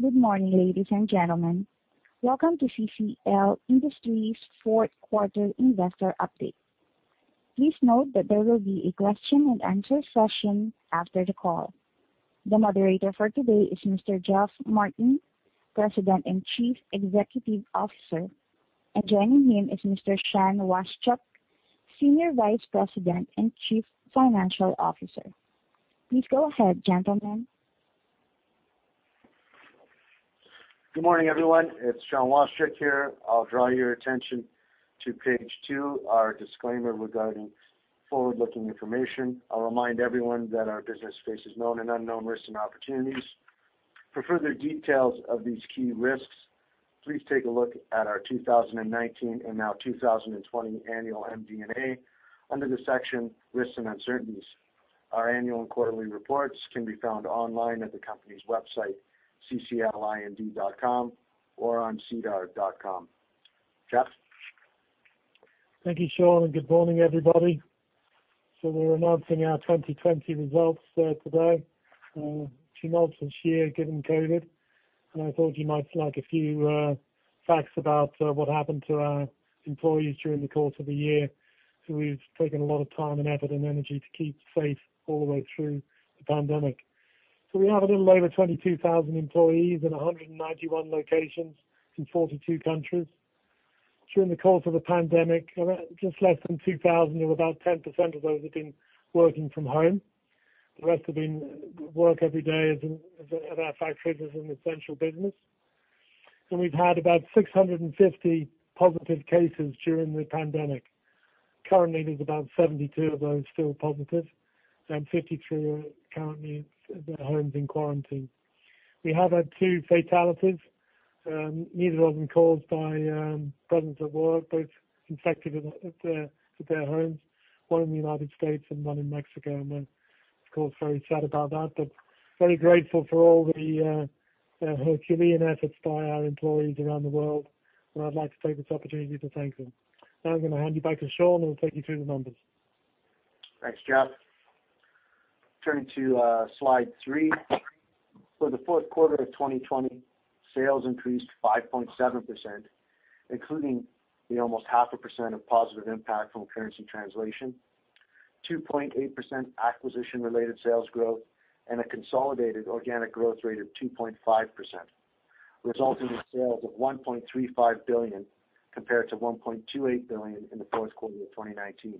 Good morning, ladies and gentlemen. Welcome to CCL Industries Fourth Quarter Investor Update. Please note that there will be a question-and-answer session after the call. The moderator for today is Mr. Geoff Martin, President and Chief Executive Officer, and joining him is Mr. Sean Washchuk, Senior Vice President and Chief Financial Officer. Please go ahead, gentlemen. Good morning, everyone. It's Sean Washchuk here. I'll draw your attention to page two, our disclaimer regarding forward-looking information. I'll remind everyone that our business faces known and unknown risks and opportunities. For further details of these key risks, please take a look at our 2019 and now 2020 annual MD&A under the section Risks and Uncertainties. Our annual and quarterly reports can be found online at the company's website, cclind.com or on sedar.com. Geoff? Thank you, Sean, and good morning, everybody. We're announcing our 2020 results today. Tremendous year given COVID, and I thought you might like a few facts about what happened to our employees during the course of the year. We've taken a lot of time and effort, and energy to keep safe all the way through the pandemic. We have a little over 22,000 employees in 191 locations in 42 countries. During the course of the pandemic, around just less than 2,000 or about 10% of those have been working from home. The rest have been work every day at our factories as an essential business. We've had about 650 positive cases during the pandemic. Currently, there's about 72 of those still positive and 53 are currently at their homes in quarantine. We have had two fatalities. Neither of them caused by presence at work, both infected at their homes, one in the U.S. and one in Mexico. We're, of course, very sad about that, but very grateful for all the herculean efforts by our employees around the world, and I'd like to take this opportunity to thank them. I'm going to hand you back to Sean, who will take you through the numbers. Thanks, Geoff. Turning to slide three. For the fourth quarter of 2020, sales increased 5.7%, including the almost half a percent of positive impact from currency translation, 2.8% acquisition-related sales growth, and a consolidated organic growth rate of 2.5%, resulting in sales of 1.35 billion compared to 1.28 billion in the fourth quarter of 2019.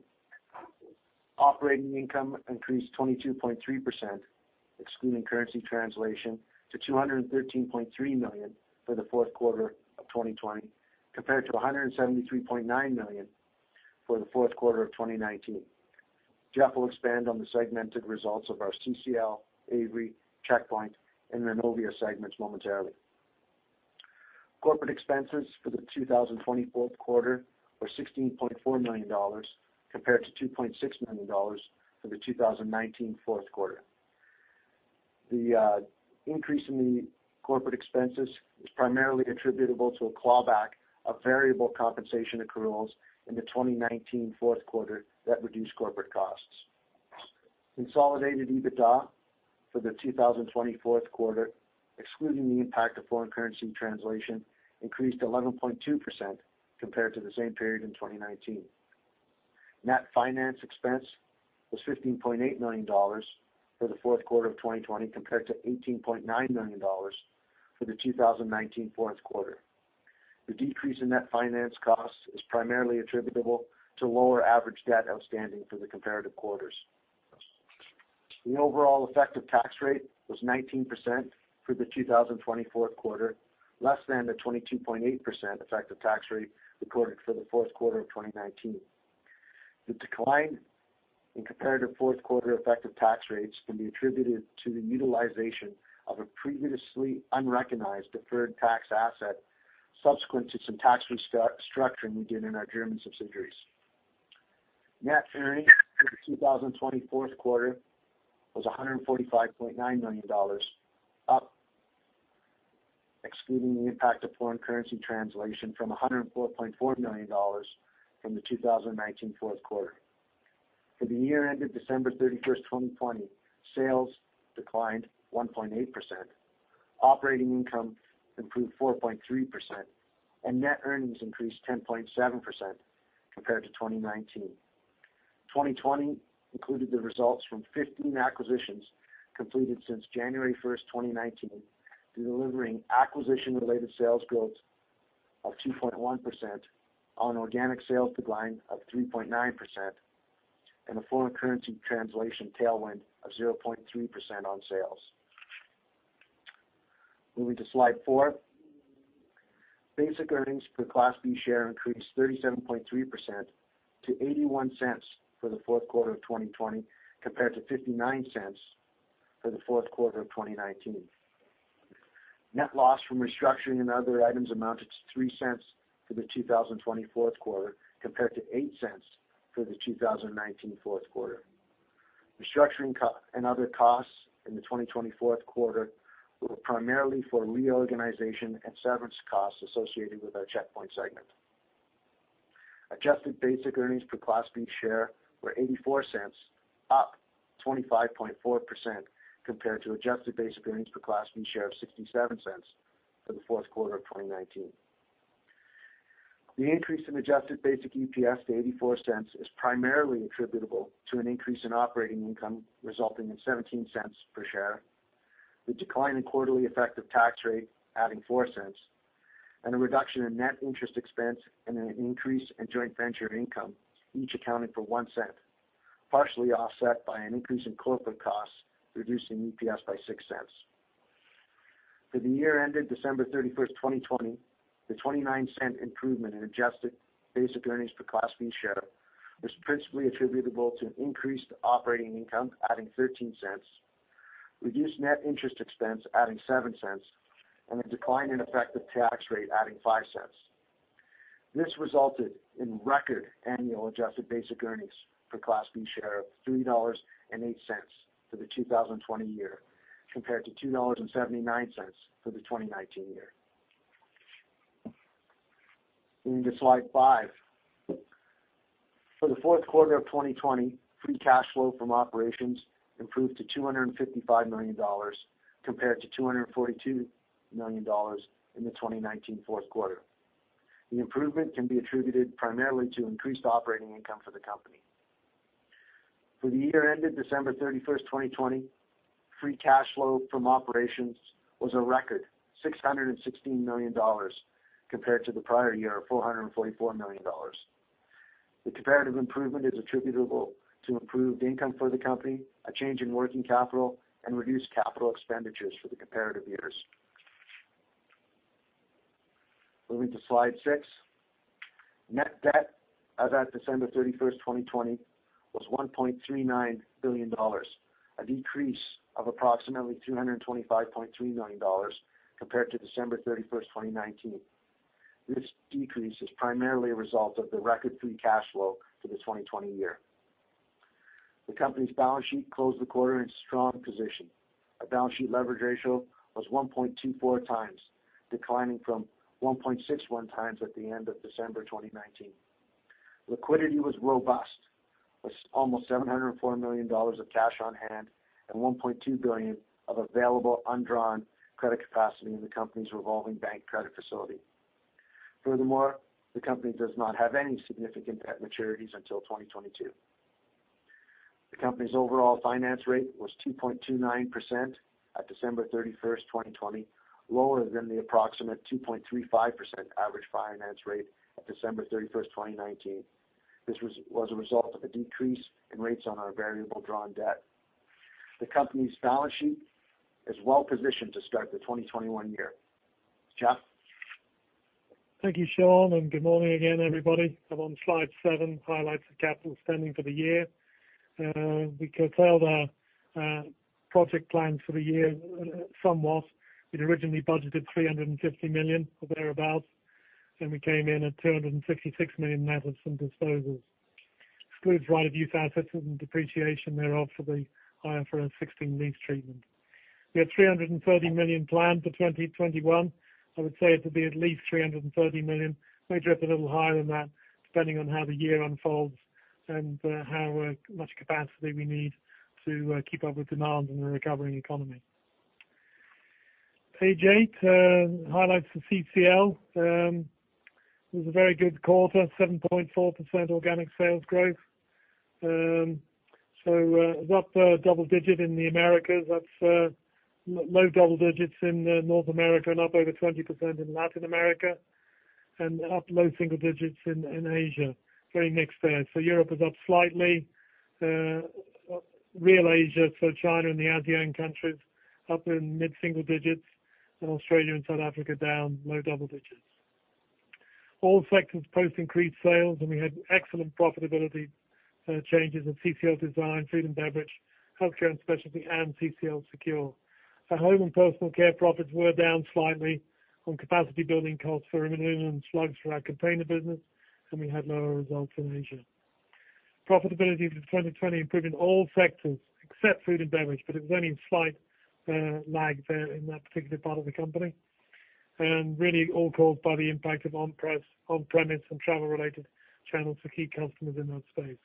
Operating income increased 22.3%, excluding currency translation, to 213.3 million for the fourth quarter of 2020, compared to 173.9 million for the fourth quarter of 2019. Geoff will expand on the segmented results of our CCL, Avery, Checkpoint, and Innovia segments momentarily. Corporate expenses for the 2020 fourth quarter were 16.4 million dollars compared to 2.6 million dollars for the 2019 fourth quarter. The increase in the corporate expenses is primarily attributable to a clawback of variable compensation accruals in the 2019 fourth quarter that reduced corporate costs. Consolidated EBITDA for the 2020 fourth quarter, excluding the impact of foreign currency translation, increased 11.2% compared to the same period in 2019. Net finance expense was 15.8 million dollars for the fourth quarter of 2020, compared to 18.9 million dollars for the 2019 fourth quarter. The decrease in net finance costs is primarily attributable to lower average debt outstanding for the comparative quarters. The overall effective tax rate was 19% for the 2020 fourth quarter, less than the 22.8% effective tax rate reported for the fourth quarter of 2019. The decline in comparative fourth quarter effective tax rates can be attributed to the utilization of a previously unrecognized deferred tax asset subsequent to some tax restructuring we did in our German subsidiaries. Net earnings for the 2020 fourth quarter was 145.9 million dollars, up excluding the impact of foreign currency translation from 104.4 million dollars from the 2019 fourth quarter. For the year ended December 31st, 2020, sales declined 1.8%, operating income improved 4.3%, and net earnings increased 10.7% compared to 2019. 2020 included the results from 15 acquisitions completed since January 1st, 2019, delivering acquisition-related sales growth of 2.1% on organic sales decline of 3.9% and a foreign currency translation tailwind of 0.3% on sales. Moving to slide four. Basic earnings per Class B share increased 37.3% to 0.81 for the fourth quarter of 2020, compared to 0.59 for the fourth quarter of 2019. Net loss from restructuring and other items amounted to 0.03 for the 2020 fourth quarter, compared to 0.08 for the 2019 fourth quarter. Restructuring and other costs in the 2020 fourth quarter were primarily for reorganization and severance costs associated with our Checkpoint segment. Adjusted basic earnings per Class B share were 0.84, up 25.4%, compared to adjusted basic earnings per Class B share of 0.67 for the fourth quarter of 2019. The increase in adjusted basic EPS to 0.84 is primarily attributable to an increase in operating income resulting in 0.17 per share. The decline in quarterly effective tax rate adding 0.04, and a reduction in net interest expense, and an increase in joint venture income, each accounting for 0.01, partially offset by an increase in corporate costs, reducing EPS by 0.06. For the year ended December 31st, 2020, the 0.29 improvement in adjusted basic earnings per Class B share was principally attributable to increased operating income adding 0.13, reduced net interest expense adding 0.07, and a decline in effective tax rate adding 0.05. This resulted in record annual adjusted basic earnings per Class B share of 3.08 dollars for the 2020 year, compared to 2.79 dollars for the 2019 year. Moving to slide five. For the fourth quarter of 2020, free cash flow from operations improved to 255 million dollars compared to 242 million dollars in the 2019 fourth quarter. The improvement can be attributed primarily to increased operating income for the company. For the year ended December 31st, 2020, free cash flow from operations was a record 616 million dollars, compared to the prior year of 444 million dollars. The comparative improvement is attributable to improved income for the company, a change in working capital, and reduced capital expenditures for the comparative years. Moving to slide six. Net debt as at December 31, 2020 was 1.39 billion dollars, a decrease of approximately 225.3 million dollars compared to December 31, 2019. This decrease is primarily a result of the record free cash flow for the 2020 year. The company's balance sheet closed the quarter in strong position. Our balance sheet leverage ratio was 1.24x, declining from 1.61x at the end of December 2019. Liquidity was robust, with almost 704 million dollars of cash on hand and 1.2 billion of available undrawn credit capacity in the company's revolving bank credit facility. Furthermore, the company does not have any significant debt maturities until 2022. The company's overall finance rate was 2.29% at December 31, 2020, lower than the approximate 2.35% average finance rate at December 31, 2019. This was a result of a decrease in rates on our variable drawn debt. The company's balance sheet is well positioned to start the 2021 year. Geoff? Thank you, Sean, and good morning again, everybody. I'm on slide seven, highlights of capital spending for the year. We curtailed our project plan for the year somewhat. We'd originally budgeted 350 million or thereabout, and we came in at 266 million net of some disposals. Excludes right-of-use assets and depreciation thereof for the IFRS 16 lease treatment. We had 330 million planned for 2021. I would say it'll be at least 330 million. May drift a little higher than that, depending on how the year unfolds and how much capacity we need to keep up with demand in a recovering economy. Page eight, highlights for CCL. It was a very good quarter, 7.4% organic sales growth. Up double digit in the Americas. That's low double digits in North America and up over 20% in Latin America, and up low single digits in Asia. Very mixed there. Europe is up slightly. Real Asia, so China and the ASEAN countries, up in mid-single digits, and Australia and South Africa down low double digits. All sectors post increased sales, and we had excellent profitability changes in CCL Design, Food & Beverage, Healthcare & Specialty, and CCL Secure. Our Home & Personal Care profits were down slightly on capacity building costs for aluminum and slugs for our container business, and we had lower results in Asia. Profitability for 2020 improved in all sectors except Food & Beverage, but it was only a slight lag there in that particular part of the company, and really all caused by the impact of on-premise and travel-related channels for key customers in that space.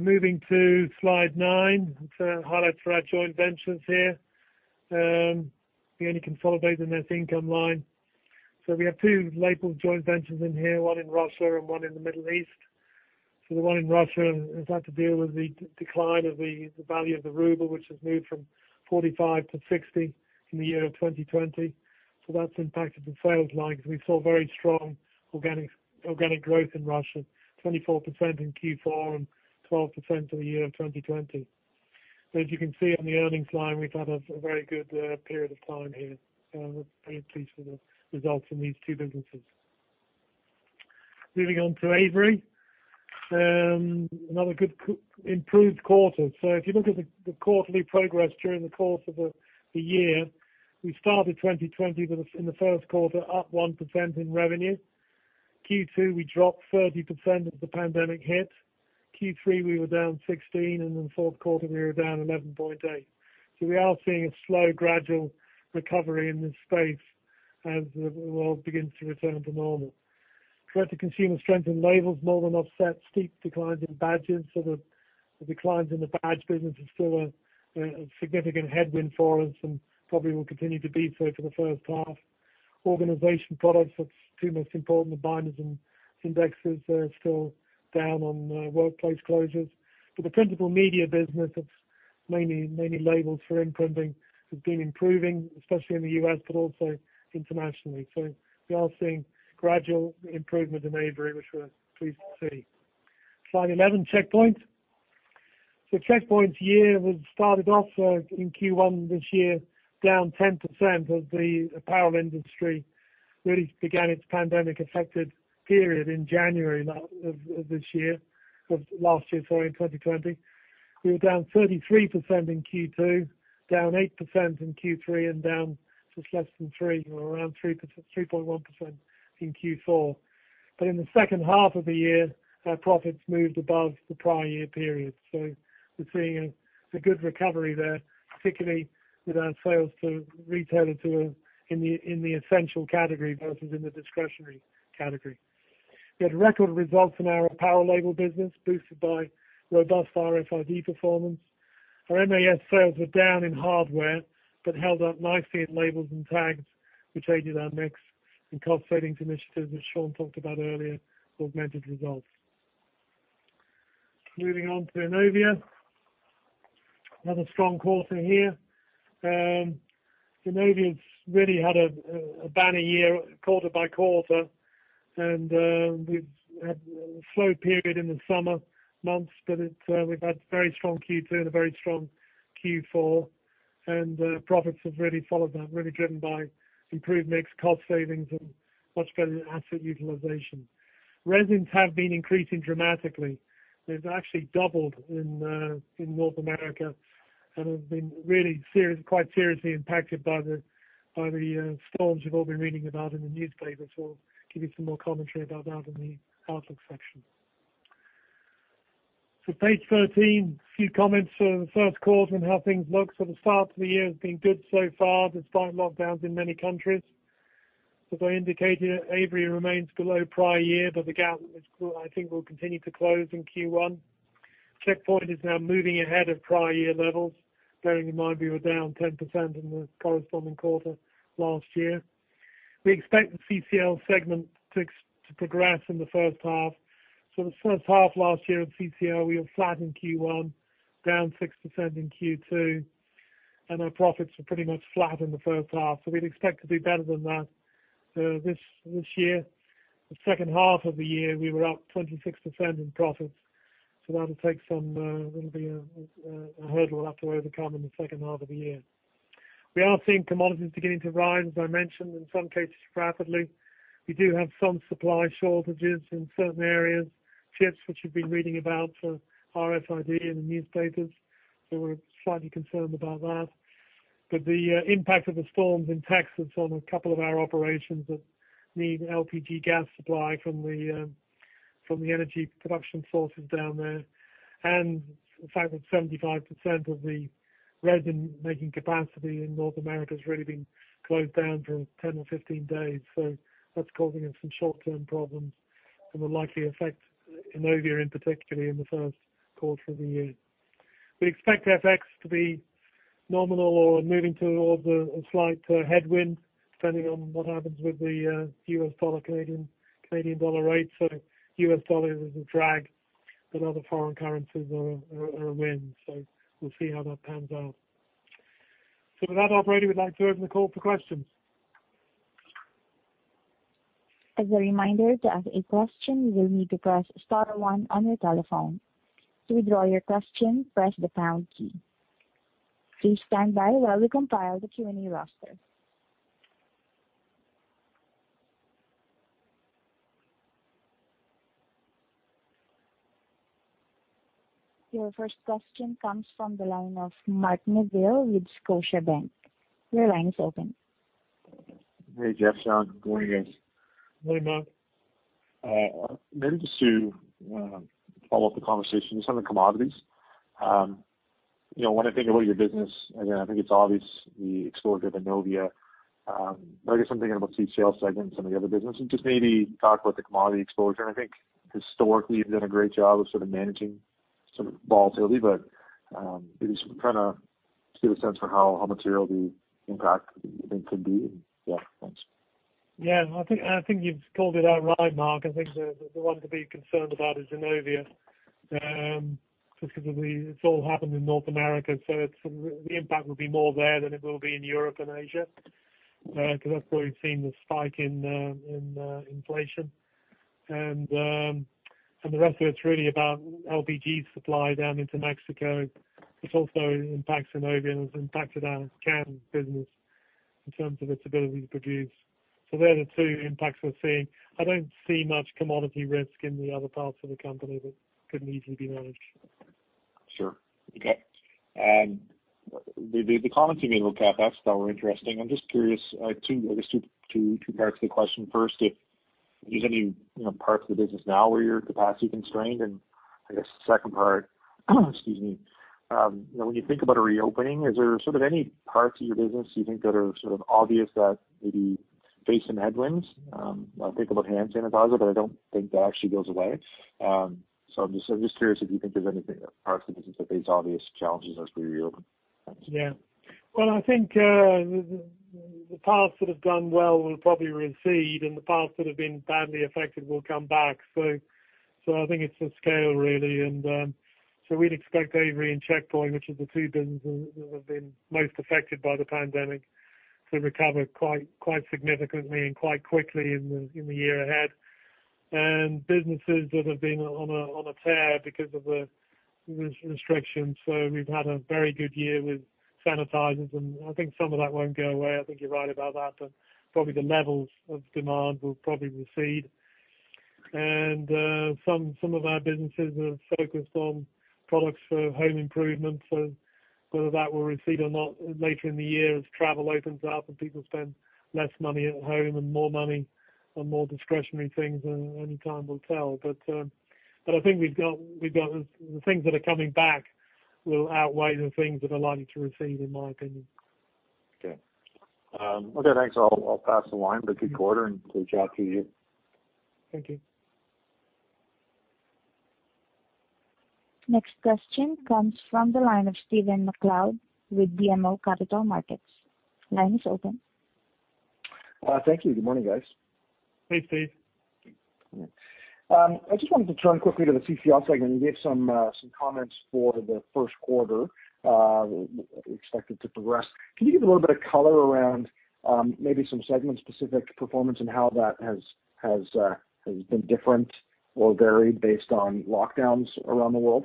Moving to slide nine. It's our highlights for our joint ventures here. The only consolidator in this income line. We have two labeled joint ventures in here, one in Russia and one in the Middle East. The one in Russia has had to deal with the decline of the value of the ruble, which has moved from 45 to 60 in the year 2020. That's impacted the sales line, because we saw very strong organic growth in Russia, 24% in Q4 and 12% for the year 2020. As you can see on the earnings line, we've had a very good period of time here. We're very pleased with the results in these two businesses. Moving on to Avery. Another good improved quarter. If you look at the quarterly progress during the course of the year, we started 2020 in the first quarter up 1% in revenue. Q2, we dropped 30% as the pandemic hit. Q3 we were down 16%, fourth quarter we were down 11.8%. We are seeing a slow gradual recovery in this space as the world begins to return to normal. Credit consumer strength in labels more than offset steep declines in badges. The declines in the badge business is still a significant headwind for us and probably will continue to be so for the first half. Organization products, that's two most important, the binders and indexes, are still down on workplace closures. The printable media business of mainly labels for imprinting has been improving, especially in the U.S., but also internationally. We are seeing gradual improvement in Avery, which we're pleased to see. Slide 11, Checkpoint. Checkpoint's year was started off in Q1 this year, down 10% as the apparel industry really began its pandemic affected period in January of this year-- Of last year, sorry, in 2020. We were down 33% in Q2, down 8% in Q3 and down just less than 3% or around 3.1% in Q4. In the second half of the year, our profits moved above the prior year periods. We're seeing a good recovery there, particularly with our sales to retailers who are in the essential category versus in the discretionary category. We had record results in our apparel label business, boosted by robust RFID performance. Our MAS sales were down in hardware, but held up nicely in labels and tags, which aided our mix and cost savings initiatives that Sean talked about earlier, augmented results. Moving on to Innovia. Another strong quarter here. Innovia's really had a banner year quarter by quarter, and we've had a slow period in the summer months, but we've had very strong Q2 and a very strong Q4, and profits have really followed that, really driven by improved mix cost savings and much better asset utilization. Resins have been increasing dramatically. They've actually doubled in North America and have been really quite seriously impacted by the storms you've all been reading about in the newspapers. We'll give you some more commentary about that in the outlook section. Page 13, a few comments for the first quarter and how things look. The start to the year has been good so far, despite lockdowns in many countries. As I indicated, Avery remains below prior year, but the gap, I think, will continue to close in Q1. Checkpoint is now moving ahead of prior year levels, bearing in mind we were down 10% in the corresponding quarter last year. We expect the CCL segment to progress in the first half. The first half last year of CCL, we were flat in Q1, down 6% in Q2, and our profits were pretty much flat in the first half. We'd expect to do better than that this year. The second half of the year, we were up 26% in profits. Little bit of a hurdle we'll have to overcome in the second half of the year. We are seeing commodities beginning to rise, as I mentioned, in some cases rapidly. We do have some supply shortages in certain areas, chips, which you've been reading about for RFID in the newspapers. We're slightly concerned about that. The impact of the storms in Texas on a couple of our operations that need LPG gas supply from the energy production sources down there. The fact that 75% of the resin-making capacity in North America has really been closed down for 10 or 15 days. That's causing us some short-term problems and will likely affect Innovia in particularly in the first quarter of the year. We expect FX to be nominal or moving to a slight headwind, depending on what happens with the US dollar, Canadian dollar rate. US dollar is a drag, but other foreign currencies are a win. We'll see how that pans out. With that operator, we'd like to open the call for questions. Your first question comes from the line of Mark Neville with Scotiabank. Your line is open. Hey, Geoff, Sean. Good morning, guys. Morning, Mark. Maybe just to follow up the conversation on some of the commodities. When I think about your business, again, I think it's obvious the exposure to Innovia. I guess I'm thinking about CCL segment and some of the other business, and just maybe talk about the commodity exposure. I think historically, you've done a great job of sort of managing some volatility, but maybe just kind of get a sense for how material the impact you think could be. Yeah, thanks. Yeah, I think you've called it out right, Mark. I think the one to be concerned about is Innovia. Specifically, it's all happened in North America, so the impact will be more there than it will be in Europe and Asia. Because that's where we've seen the spike in inflation. The rest of it's really about LPG supply down into Mexico, which also impacts Innovia and has impacted our cans business in terms of its ability to produce. They're the two impacts we're seeing. I don't see much commodity risk in the other parts of the company that couldn't easily be managed. Sure. Okay. The comments you made about CapEx that were interesting. I'm just curious, two parts to the question. First, if there's any parts of the business now where you're capacity constrained. I guess the second part, excuse me, when you think about a reopening, is there any parts of your business you think that are obvious that maybe face some headwinds? I think about hand sanitizer. I don't think that actually goes away. I'm just curious if you think there's any parts of the business that face obvious challenges as we reopen. Well, I think the parts that have done well will probably recede, and the parts that have been badly affected will come back. I think it's the scale, really. We'd expect Avery and Checkpoint, which are the two businesses that have been most affected by the pandemic, to recover quite significantly and quite quickly in the year ahead. Businesses that have been on a tear because of the restrictions. We've had a very good year with sanitizers, and I think some of that won't go away. I think you're right about that, but probably the levels of demand will probably recede. Some of our businesses are focused on products for home improvement. Whether that will recede or not later in the year as travel opens up and people spend less money at home and more money on more discretionary things, only time will tell. I think the things that are coming back will outweigh the things that are likely to recede, in my opinion. Okay. Thanks. I'll pass the line. Good quarter, and good job to you. Thank you. Next question comes from the line of Stephen MacLeod with BMO Capital Markets. Line is open. Thank you. Good morning, guys. Hey, Stephen. I just wanted to turn quickly to the CCL segment. You gave some comments for the first quarter, expected to progress. Can you give a little bit of color around maybe some segment-specific performance and how that has been different or varied based on lockdowns around the world?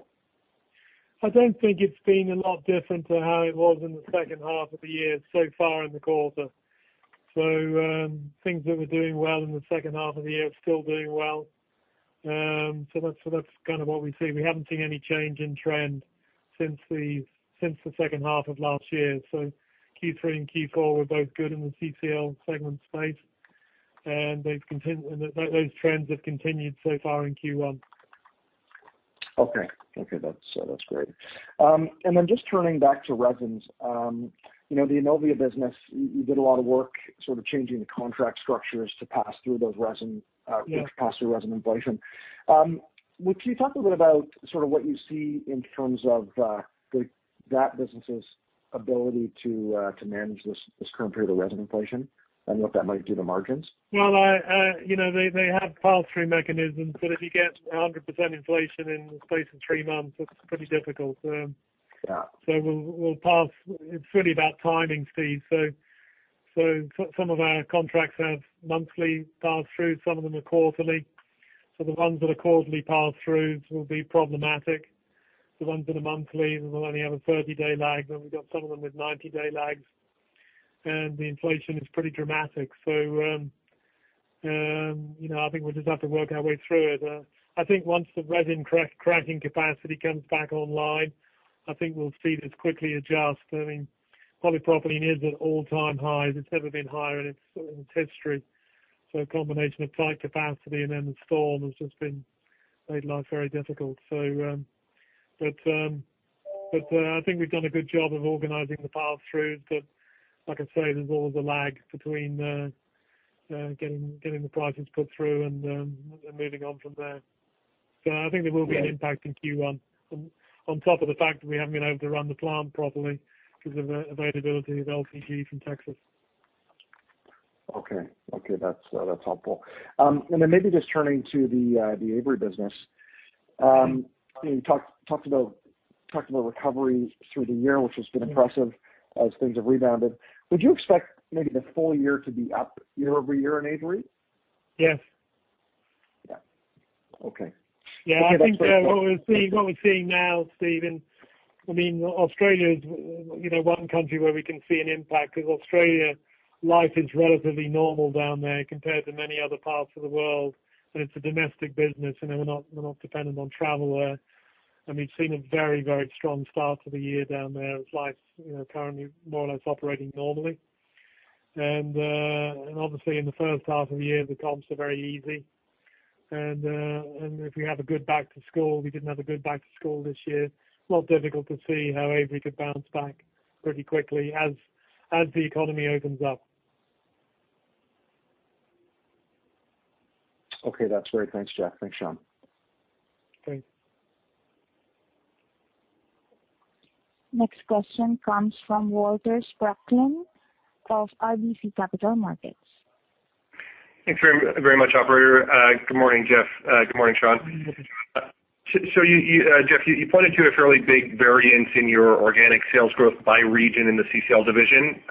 I don't think it's been a lot different to how it was in the second half of the year so far in the quarter. Things that were doing well in the second half of the year are still doing well. That's kind of what we see. We haven't seen any change in trend since the second half of last year. Q3 and Q4 were both good in the CCL segment space, and those trends have continued so far in Q1. Okay. That's great. Just turning back to resins, the Innovia business, you did a lot of work sort of changing the contract structures to pass through resin inflation. Can you talk a little bit about sort of what you see in terms of that business's ability to manage this current period of resin inflation and what that might do to margins? Well, they have pass-through mechanisms, but if you get 100% inflation in the space of three months, it's pretty difficult. We'll pass. It's really about timing, Steve. Some of our contracts have monthly pass-throughs, some of them are quarterly. The ones that are quarterly pass-throughs will be problematic. The ones that are monthly, we'll only have a 30-day lag. We've got some of them with 90-day lags. The inflation is pretty dramatic. I think we'll just have to work our way through it. I think once the resin cracking capacity comes back online, I think we'll see this quickly adjust. I mean, polypropylene is at all-time highs. It's never been higher in its history. A combination of tight capacity and then the storm has just made life very difficult. I think we've done a good job of organizing the pass-throughs. Like I say, there's always a lag between getting the prices put through and then moving on from there. I think there will be an impact in Q1, on top of the fact that we haven't been able to run the plant properly because of availability of LPG from Texas. Okay. That's helpful. Maybe just turning to the Avery business. You talked about recovery through the year, which has been impressive as things have rebounded. Would you expect maybe the full year to be up year-over-year in Avery? Yes. What we're seeing now, Stephen, Australia is one country where we can see an impact because Australia, life is relatively normal down there compared to many other parts of the world. It's a domestic business, and we're not dependent on travel there. We've seen a very, very strong start to the year down there as life's currently more or less operating normally. Obviously, in the first half of the year, the comps are very easy. If we have a good back-to-school, we didn't have a good back-to-school this year, it's not difficult to see how Avery could bounce back pretty quickly as the economy opens up. Okay. That's great. Thanks, Geoff. Thanks, Sean. Thanks. Next question comes from Walter Spracklin of RBC Capital Markets. Thanks very much, operator. Good morning, Geoff. Good morning, Sean. Geoff, you pointed to a fairly big variance in your organic sales growth by region in the CCL division.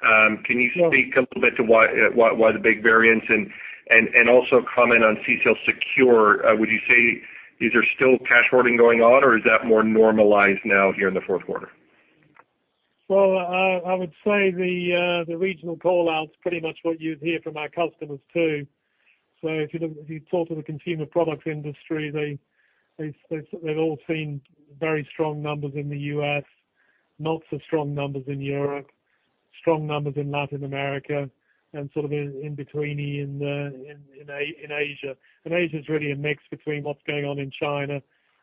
Can you speak a little bit to why the big variance and also comment on CCL Secure? Would you say these are still cash hoarding going on, or is that more normalized now here in the fourth quarter? I would say the regional call-outs pretty much what you'd hear from our customers too. If you talk to the consumer products industry, they've all seen very strong numbers in the U.S., not such strong numbers in Europe, strong numbers in Latin America, and sort of in-between in Asia. Asia is really a mix between what's going on in China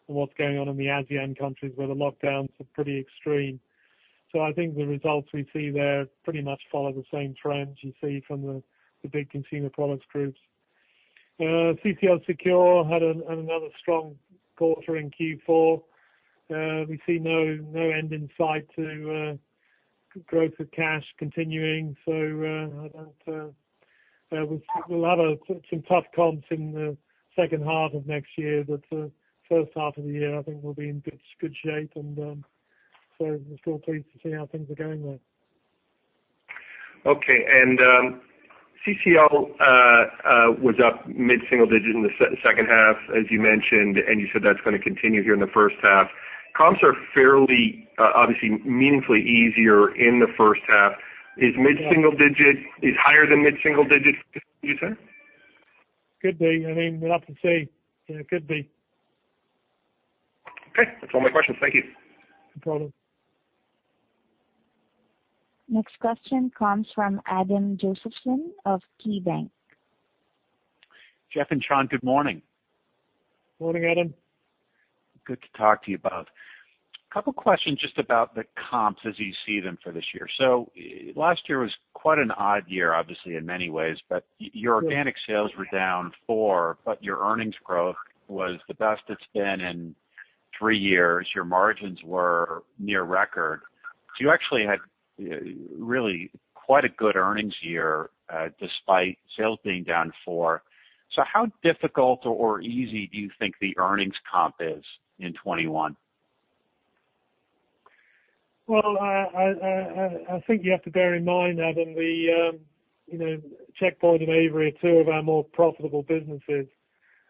and what's going on in the ASEAN countries, where the lockdowns are pretty extreme. I think the results we see there pretty much follow the same trends you see from the big consumer products groups. CCL Secure had another strong quarter in Q4. We see no end in sight to growth of cash continuing. We'll have some tough comps in the second half of next year, but the first half of the year, I think we'll be in good shape, and so we're still pleased to see how things are going there. Okay. CCL was up mid-single digit in the second half, as you mentioned, and you said that's going to continue here in the first half. Comps are fairly, obviously meaningfully easier in the first half. Is mid-single digit higher than mid-single digit for you, sir? Could be. We'll have to see. It could be. Okay. That's all my questions. Thank you. No problem. Next question comes from Adam Josephson of KeyBanc. Geoff and Sean, good morning. Morning, Adam. Good to talk to you both. Couple questions just about the comps as you see them for this year. Last year was quite an odd year, obviously, in many ways. Your organic sales were down four, but your earnings growth was the best it's been in three years. Your margins were near record. You actually had really quite a good earnings year, despite sales being down four. How difficult or easy do you think the earnings comp is in 21? I think you have to bear in mind, Adam, Checkpoint and Avery are two of our more profitable businesses,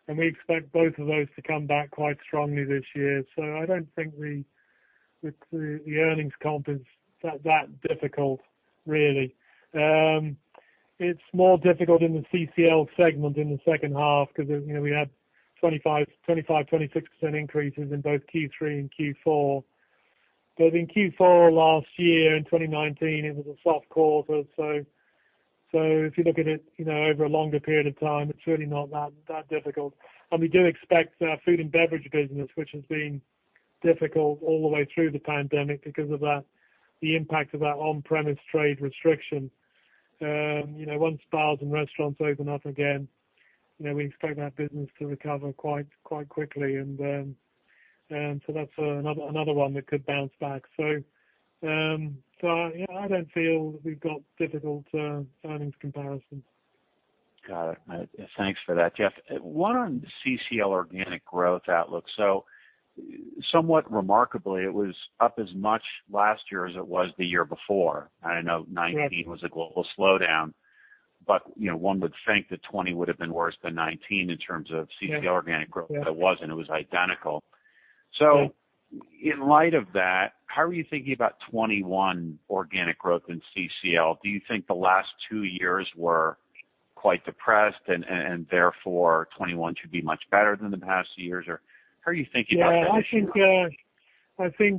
and we expect both of those to come back quite strongly this year. I don't think the earnings comp is that difficult, really. It's more difficult in the CCL segment in the second half because we had 25%, 26% increases in both Q3 and Q4. In Q4 last year, in 2019, it was a soft quarter. If you look at it over a longer period of time, it's really not that difficult. We do expect our Food & Beverage business, which has been difficult all the way through the pandemic because of the impact of that on-premise trade restriction. Once bars and restaurants open up again, we expect that business to recover quite quickly. That's another one that could bounce back. I don't feel that we've got difficult earnings comparisons. Got it. Thanks for that, Geoff. One on CCL organic growth outlook. Somewhat remarkably, it was up as much last year as it was the year before. I know 2019 was a global slowdown, but one would think that 2020 would've been worse than 2019 in terms of CCL organic growth. It wasn't. It was identical. Yeah. In light of that, how are you thinking about 2021 organic growth in CCL? Do you think the last 2 years were quite depressed and therefore 2021 should be much better than the past years? How are you thinking about that issue? Yeah, I think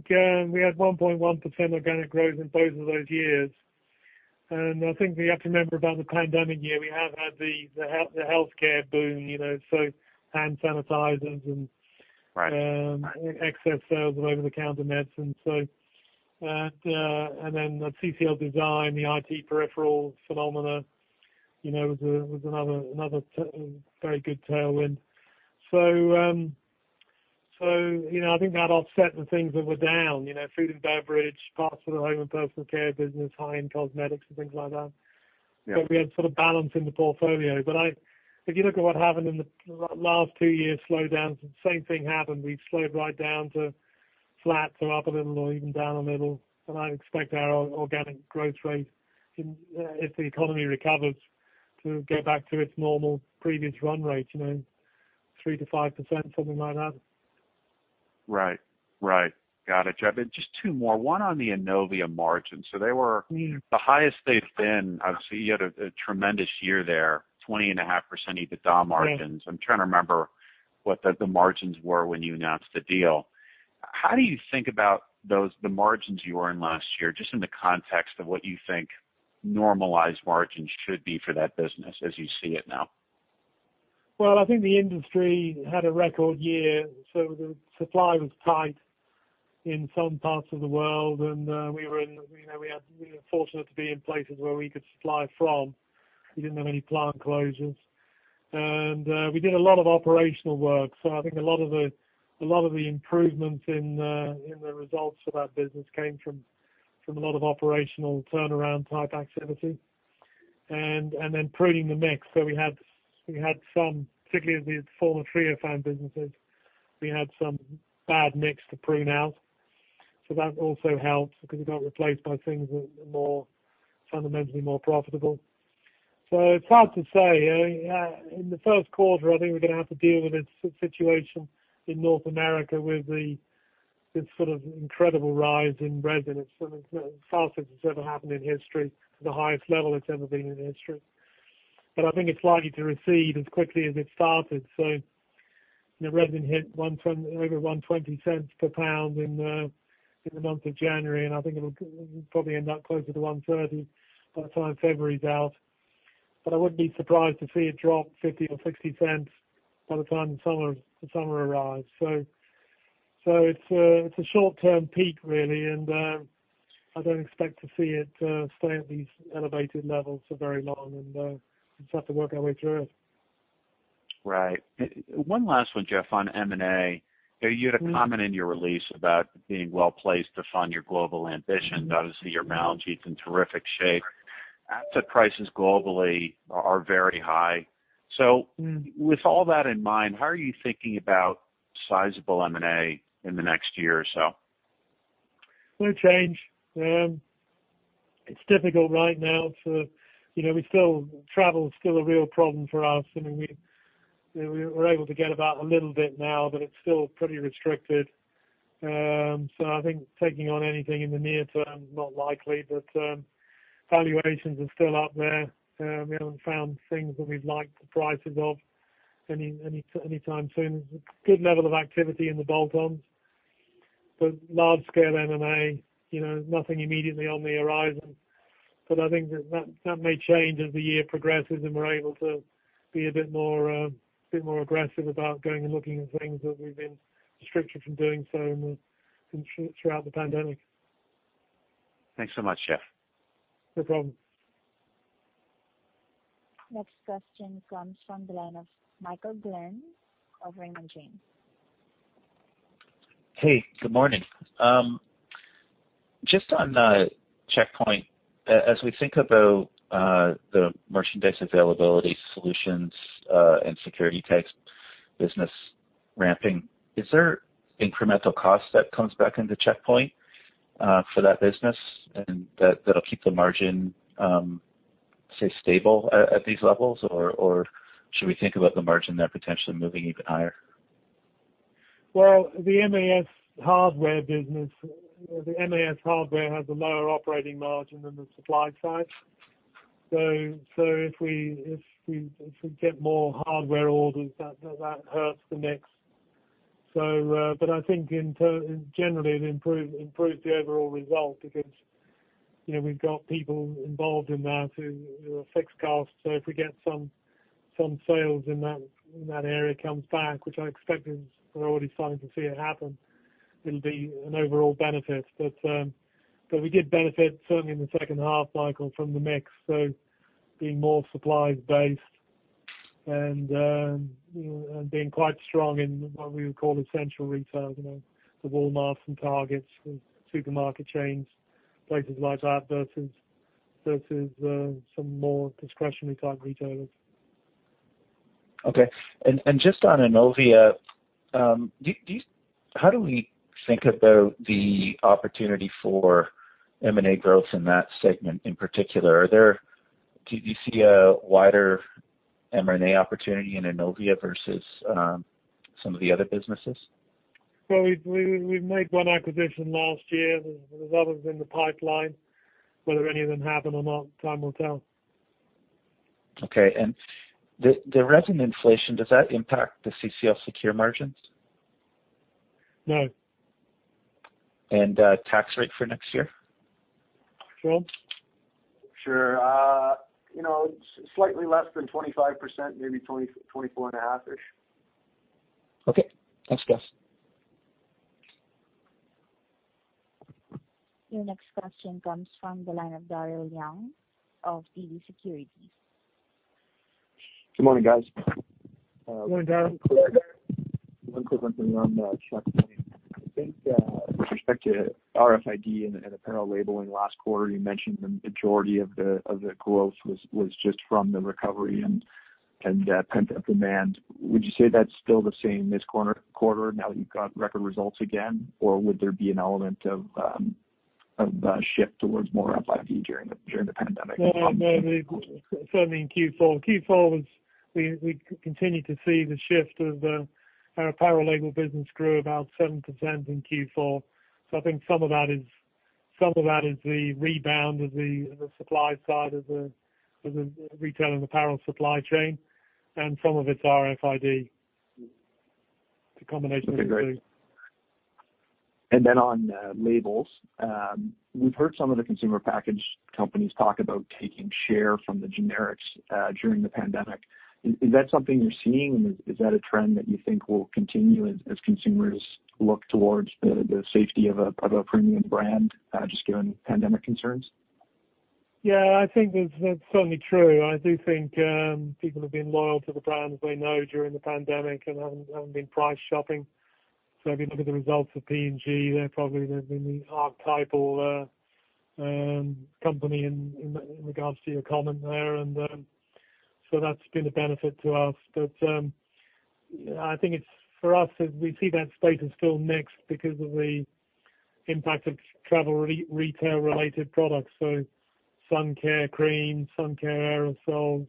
we had 1.1% organic growth in both of those years. I think we have to remember about the pandemic year, we have had the healthcare boom excess sales of over-the-counter medicine. The CCL Design, the IT peripheral phenomena was another very good tailwind. I think that offset the things that were down, Food & Beverage, parts of the Home & Personal Care business, high-end cosmetics and things like that. We had sort of balance in the portfolio. If you look at what happened in the last two years' slowdowns, the same thing happened. We slowed right down to flat or up a little or even down a little. I expect our organic growth rate, if the economy recovers, to go back to its normal previous run rate, 3%-5%, something like that. Right. Got it, Geoff. Just two more. One on the Innovia margin. They were the highest they've been. Obviously, you had a tremendous year there, 20.5% EBITDA margins. I'm trying to remember what the margins were when you announced the deal. How do you think about the margins you earned last year, just in the context of what you think normalized margins should be for that business as you see it now? I think the industry had a record year. The supply was tight in some parts of the world. We were fortunate to be in places where we could supply from. We didn't have any plant closures. We did a lot of operational work. I think a lot of the improvements in the results of that business came from a lot of operational turnaround-type activity. Pruning the mix. We had some, particularly in the former Treofan businesses, we had some bad mix to prune out. That also helped because it got replaced by things that are fundamentally more profitable. It's hard to say. In the first quarter, I think we're going to have to deal with this situation in North America with this sort of incredible rise in resin. It's the fastest it's ever happened in history, the highest level it's ever been in history. I think it's likely to recede as quickly as it started. The resin hit over 1.20 per pound in the month of January, and I think it'll probably end up closer to 1.30 by the time February's out. I wouldn't be surprised to see it drop 0.50 or 0.60 by the time the summer arrives. It's a short-term peak, really, and I don't expect to see it stay at these elevated levels for very long, and we'll just have to work our way through it. Right. One last one, Geoff, on M&A. You had a comment in your release about being well-placed to fund your global ambition. Obviously, your balance sheet's in terrific shape. Asset prices globally are very high. With all that in mind, how are you thinking about sizable M&A in the next year or so? No change. It's difficult right now. Travel is still a real problem for us. We're able to get about a little bit now, but it's still pretty restricted. I think taking on anything in the near term, not likely, but valuations are still up there. We haven't found things that we'd like the prices of any time soon. There's a good level of activity in the bolt-ons, but large-scale M&A, nothing immediately on the horizon. I think that may change as the year progresses, and we're able to be a bit more aggressive about going and looking at things that we've been restricted from doing so throughout the pandemic. Thanks so much, Geoff. No problem. Next question comes from the line of Michael Glen of Raymond James. Hey, good morning. Just on Checkpoint, as we think about the merchandise availability solutions and security tags business ramping, is there incremental cost that comes back into Checkpoint for that business and that'll keep the margin, say, stable at these levels? Or should we think about the margin there potentially moving even higher? The MAS hardware has a lower operating margin than the supply side. If we get more hardware orders, that hurts the mix. I think generally it improves the overall result because we've got people involved in that who are fixed cost. If we get some sales in that area comes back, which I expect, we're already starting to see it happen, it'll be an overall benefit. We did benefit certainly in the second half, Michael, from the mix, being more supplies based and being quite strong in what we would call essential retail, the Walmarts and Targets and supermarket chains, places like that, versus some more discretionary type retailers. Okay. Just on Innovia, how do we think about the opportunity for M&A growth in that segment in particular? Do you see a wider M&A opportunity in Innovia versus some of the other businesses? Well, we've made one acquisition last year. There's others in the pipeline. Whether any of them happen or not, time will tell. Okay. The resin inflation, does that impact the CCL Secure margins? No. Tax rate for next year? Geoff? Sure. Slightly less than 25%, maybe 24 and a half-ish. Okay. Thanks, guys. Your next question comes from the line of Daryl Young of TD Securities. Good morning, guys. Good morning, Daryl. One quick one for you on Checkpoint. I think with respect to RFID and apparel labeling, last quarter, you mentioned the majority of the growth was just from the recovery and pent-up demand. Would you say that's still the same this quarter now that you've got record results again? Or would there be an element of a shift towards more RFID during the pandemic? No, certainly in Q4. Q4, we continued to see the shift of our apparel label business grew about 7% in Q4. I think some of that is the rebound of the supply side of the retail and apparel supply chain, and some of it's RFID. It's a combination of the two. Okay, great. On labels, we've heard some of the consumer package companies talk about taking share from the generics during the pandemic. Is that something you're seeing? Is that a trend that you think will continue as consumers look towards the safety of a premium brand, just given pandemic concerns? Yeah, I think that's certainly true. I do think people have been loyal to the brands they know during the pandemic and haven't been price shopping. If you look at the results of P&G, they're probably the archetypal company in regards to your comment there. That's been a benefit to us. I think for us, we see that status still mixed because of the impact of travel retail-related products, so sun care cream, sun care aerosols,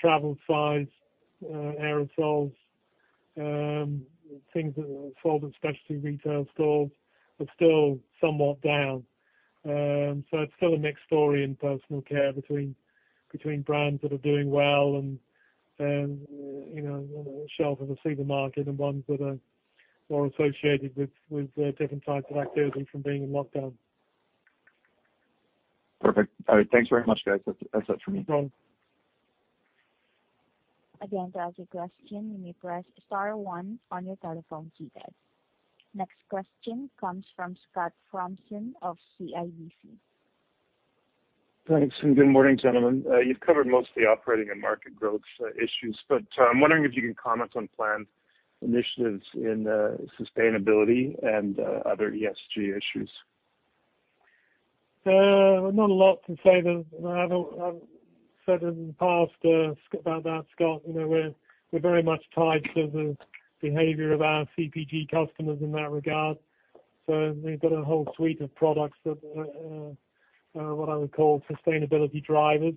travel size aerosols, things that were sold in specialty retail stores are still somewhat down. It's still a mixed story in personal care between brands that are doing well on the shelf as I see the market and ones that are more associated with different types of activity from being in lockdown. Perfect. All right, thanks very much, guys. That's it for me. No problem. To ask a question, you may press star one on your telephone keypad. Next question comes from Scott Fromson of CIBC. Thanks, and good morning, gentlemen. You've covered mostly operating and market growth issues. I'm wondering if you can comment on planned initiatives in sustainability and other ESG issues. Not a lot to say there. I've said in the past about that, Scott, we're very much tied to the behavior of our CPG customers in that regard. We've got a whole suite of products that are what I would call sustainability drivers.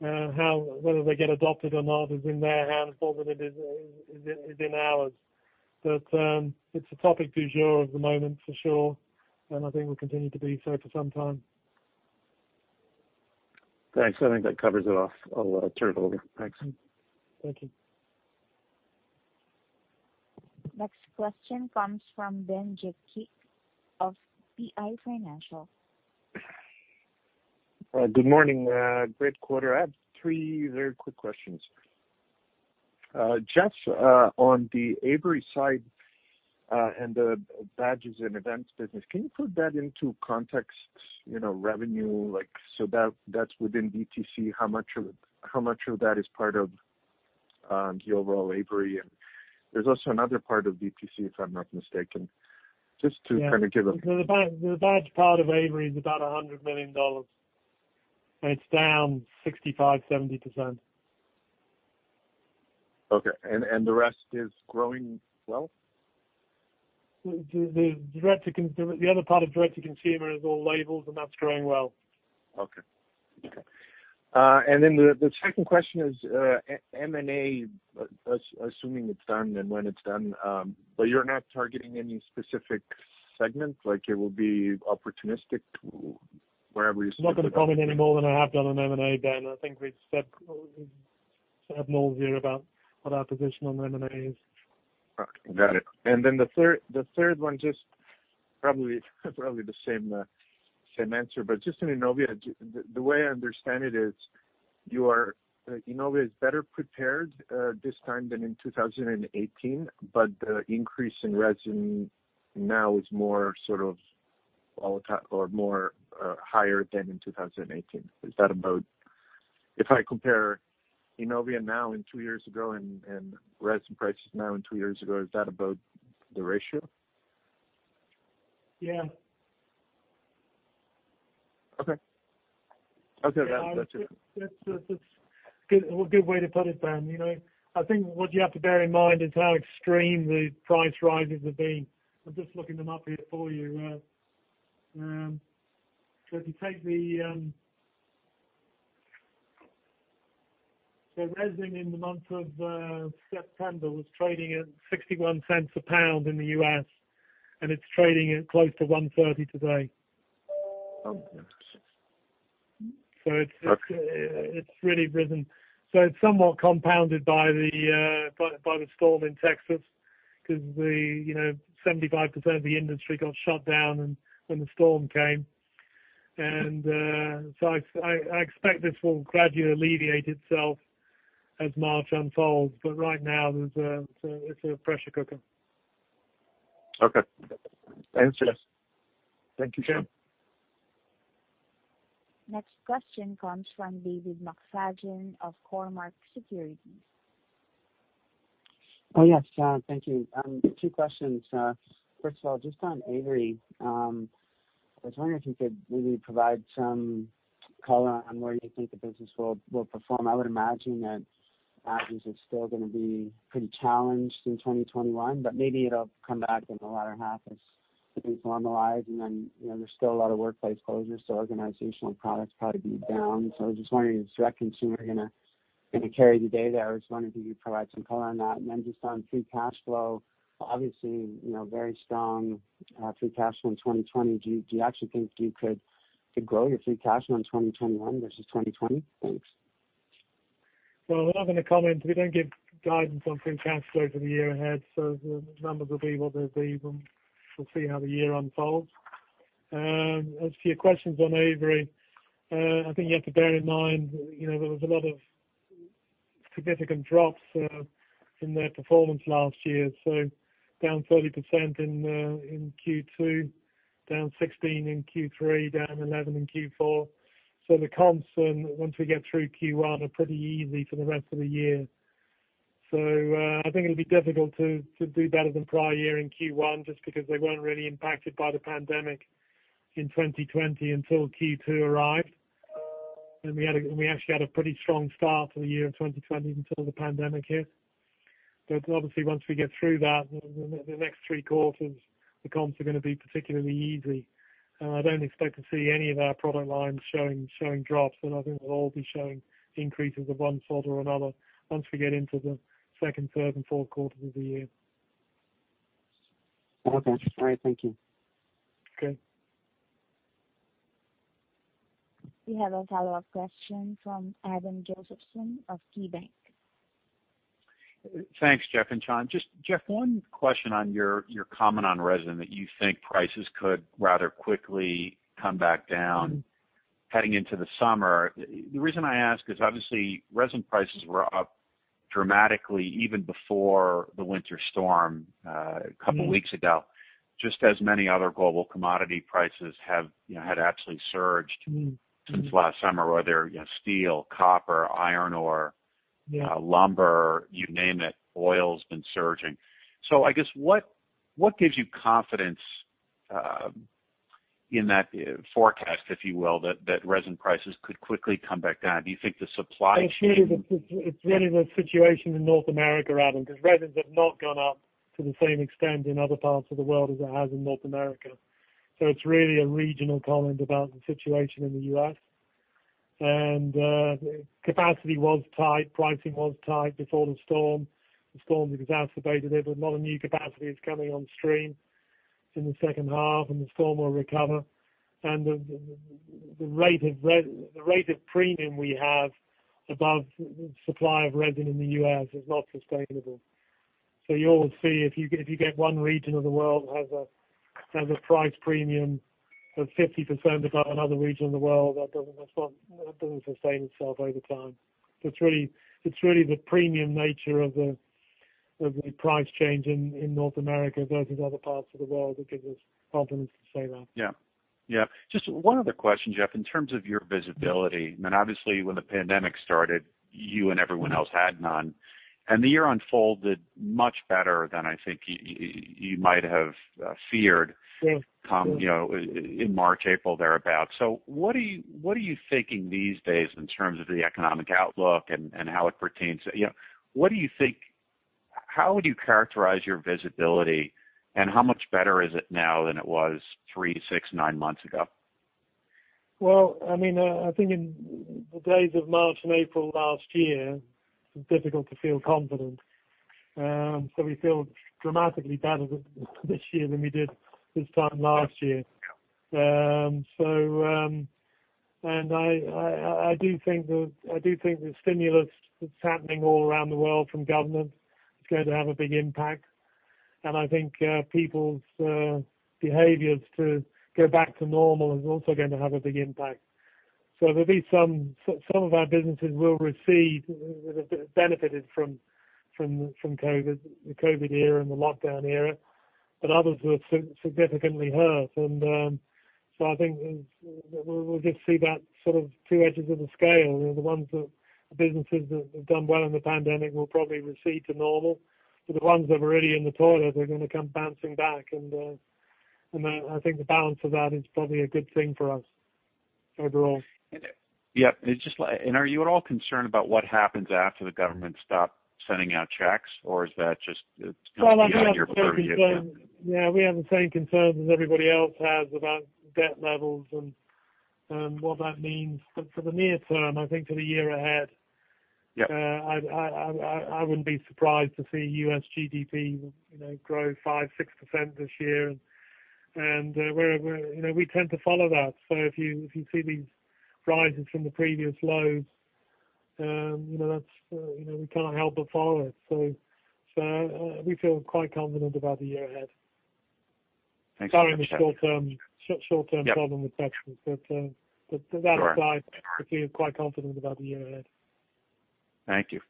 Whether they get adopted or not is in their hands more than it is in ours. It's a topic du jour of the moment for sure, and I think will continue to be so for some time. Thanks. I think that covers it off. I'll turn it over. Thanks. Thank you. Next question comes from Ben Jekic of PI Financial. Good morning. Great quarter. I have three very quick questions. Geoff, on the Avery side, and the badges and events business, can you put that into context, revenue, so that is within DTC, how much of that is part of the overall Avery? There's also another part of DTC, if I am not mistaken. The badge part of Avery is about 100 million dollars, and it's down 65%-70%. Okay. The rest is growing well? The other part of direct-to-consumer is all labels, and that's growing well. Okay. Then the second question is, M&A, assuming it's done and when it's done, but you're not targeting any specific segments, like it will be opportunistic wherever you see. I'm not going to comment any more than I have done on M&A, Ben. I think we've said more here about what our position on M&A is. Got it. The third one, just probably the same answer, but just in Innovia, the way I understand it is Innovia is better prepared this time than in 2018, but the increase in resin now is higher than in 2018. If I compare Innovia now and two years ago and resin prices now and two years ago, is that about the ratio? Yeah. Okay. That's it. That's a good way to put it, Ben. I think what you have to bear in mind is how extreme the price rises have been. I'm just looking them up here for you. If you take the resin in the month of September was trading at $0.61 a pound in the U.S., and it's trading at close to $1.30 today. Oh, goodness. It's really risen. It's somewhat compounded by the storm in Texas because 75% of the industry got shut down when the storm came. I expect this will gradually alleviate itself as March unfolds. Right now it's a pressure cooker. Okay. Thanks, Geoff. Thank you. Next question comes from David McFadgen of Cormark Securities. Oh, yes. Thank you. Two questions. First of all, just on Avery, I was wondering if you could maybe provide some color on where you think the business will perform. I would imagine that badges is still going to be pretty challenged in 2021, but maybe it'll come back in the latter half as things normalize, and then there's still a lot of workplace closures, so organizational products probably be down. I was just wondering, is direct-to-consumer going to carry the day there? I was just wondering if you could provide some color on that. Just on free cash flow, obviously, very strong free cash flow in 2020. Do you actually think you could grow your free cash flow in 2021 versus 2020? Thanks. Well, we're not going to comment. We don't give guidance on free cash flow for the year ahead, the numbers will be what they'll be, and we'll see how the year unfolds. As for your questions on Avery, I think you have to bear in mind there was a lot of significant drops from their performance last year. Down 30% in Q2, down 16 in Q3, down 11 in Q4. The comps, once we get through Q1, are pretty easy for the rest of the year. I think it'll be difficult to do better than prior year in Q1 just because they weren't really impacted by the pandemic in 2020 until Q2 arrived. We actually had a pretty strong start to the year in 2020 until the pandemic hit. Obviously once we get through that, the next three quarters, the comps are going to be particularly easy. I don't expect to see any of our product lines showing drops, and I think we'll all be showing increases of one sort or another once we get into the second, third, and fourth quarters of the year. Okay. All right. Thank you. Okay. We have a follow-up question from Adam Josephson of KeyBanc. Thanks, Geoff and Sean. Geoff, just one question on your comment on resin, that you think prices could rather quickly come back down heading into the summer. The reason I ask is obviously resin prices were up dramatically even before the winter storm a couple weeks ago, just as many other global commodity prices had actually surged since last summer, whether steel, copper, iron ore, lumber, you name it. Oil has been surging. I guess what gives you confidence in that forecast, if you will, that resin prices could quickly come back down? Do you think the supply chain? It's really the situation in North America, Adam, because resins have not gone up to the same extent in other parts of the world as it has in North America. It's really a regional comment about the situation in the U.S. Capacity was tight, pricing was tight before the storm. The storm has exacerbated it, but a lot of new capacity is coming on stream in the second half, and the storm will recover. The rate of premium we have above supply of resin in the U.S. is not sustainable. You'll see if you get one region of the world that has a price premium of 50% above another region of the world, that doesn't sustain itself over time. It's really the premium nature of the price change in North America versus other parts of the world that gives us confidence to say that. Yeah. Just one other question, Geoff. In terms of your visibility, and obviously when the pandemic started, you and everyone else had none, and the year unfolded much better than I think you might have feared in March, April, thereabout. What are you thinking these days in terms of the economic outlook and how it pertains? How would you characterize your visibility, and how much better is it now than it was three, six, nine months ago? Well, I think in the days of March and April last year, it was difficult to feel confident. We feel dramatically better this year than we did this time last year. I do think the stimulus that's happening all around the world from governments is going to have a big impact, and I think people's behaviors to go back to normal is also going to have a big impact. Some of our businesses will recede, benefited from the COVID era and the lockdown era, but others were significantly hurt. I think we'll just see that sort of two edges of the scale. The businesses that have done well in the pandemic will probably recede to normal, but the ones that were already in the toilet are going to come bouncing back. I think the balance of that is probably a good thing for us overall. Yep. Are you at all concerned about what happens after the government stop sending out checks? Is that just beyond your purview at this point? Yeah, we have the same concerns as everybody else has about debt levels and what that means. For the near term, I think for the year ahead. I wouldn't be surprised to see U.S. GDP grow 5%, 6% this year. We tend to follow that. If you see these rises from the previous lows, we can't help but follow it. We feel quite confident about the year ahead. Thanks. Sorry, in the short term. Short-term problem with Texas. Yep. Sure. That aside, I feel quite confident about the year ahead. Thank you.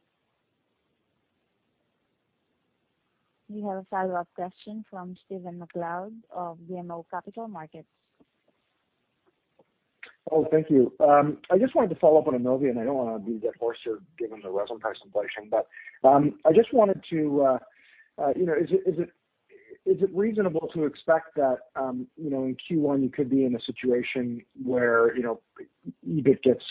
We have a follow-up question from Stephen MacLeod of BMO Capital Markets. Oh, thank you. I just wanted to follow up on Innovia. I don't want to beat that horse here given the resin price inflation. Is it reasonable to expect that in Q1 you could be in a situation where EBIT gets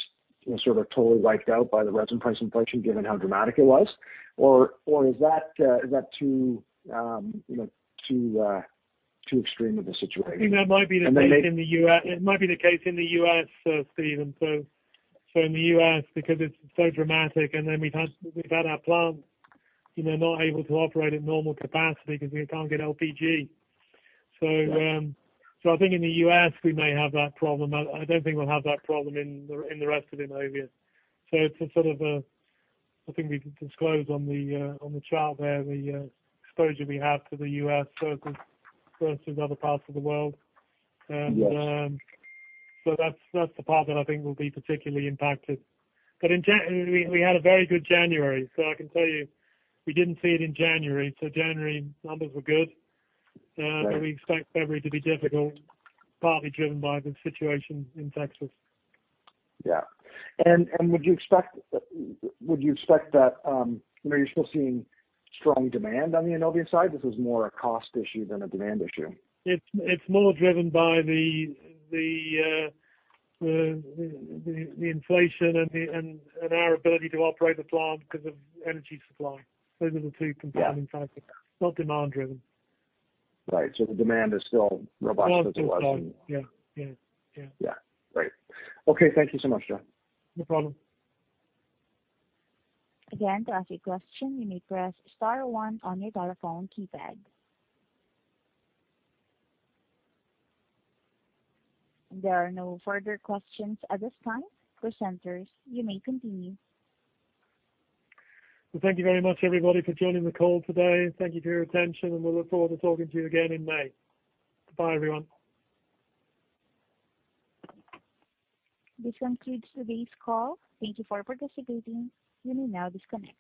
sort of totally wiped out by the resin price inflation given how dramatic it was? Or is that too extreme of a situation? I think that might be the case in the U.S., Stephen. In the U.S., because it's so dramatic, and then we've had our plant not able to operate at normal capacity because we can't get LPG. Right. I think in the U.S., we may have that problem. I don't think we'll have that problem in the rest of Innovia. I think we can disclose on the chart there the exposure we have to the U.S. versus other parts of the world. Yes. That's the part that I think will be particularly impacted. We had a very good January, so I can tell you we didn't see it in January. January numbers were good. Right. We expect February to be difficult, partly driven by the situation in Texas. Yeah. Would you expect that you're still seeing strong demand on the Innovia side? This is more a cost issue than a demand issue. It's more driven by the inflation and our ability to operate the plant because of energy supply. Those are the two compelling factors. Yeah. Not demand driven. Right. The demand is still robust as it was. Demand's still strong. Yeah. Yeah. Great. Okay. Thank you so much, Sean. No problem. Again, to ask a question, you may press star one on your telephone keypad. There are no further questions at this time. Presenters, you may continue. Well, thank you very much, everybody, for joining the call today. Thank you for your attention, we'll look forward to talking to you again in May. Goodbye, everyone. This concludes today's call. Thank you for participating. You may now disconnect.